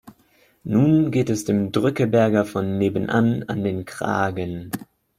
Nun geht es dem Drückeberger von nebenan an den Kragen.